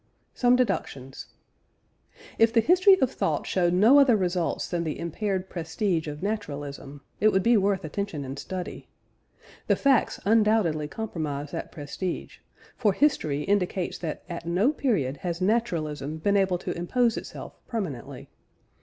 SOME DEDUCTIONS. If the history of thought showed no other results than the impaired prestige of naturalism, it would be worth attention and study. The facts undoubtedly compromise that prestige, for history indicates that at no period has naturalism been able to impose itself permanently.